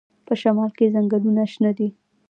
په شمال کې ځنګلونه شنه دي.